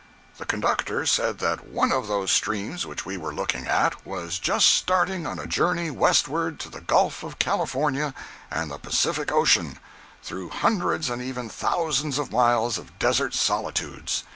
The conductor said that one of those streams which we were looking at, was just starting on a journey westward to the Gulf of California and the Pacific Ocean, through hundreds and even thousands of miles of desert solitudes.